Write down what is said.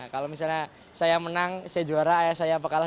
kalau misalnya saya menang saya juara ayah saya apa kalah